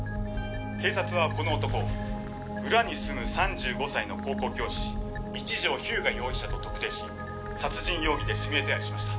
「警察はこの男を裏に住む３５歳の高校教師一条彪牙容疑者と特定し殺人容疑で指名手配しました」